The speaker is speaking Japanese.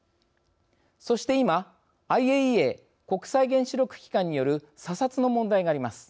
そして、今ＩＡＥＡ＝国際原子力機関による査察の問題があります。